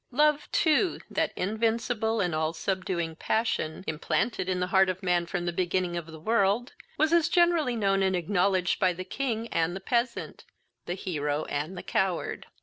Love too, that invincible and all subduing passion, implanted in the heart of man from the beginning of the world, was as generally known and acknowledged by the king and the peasant, the hero and the coward.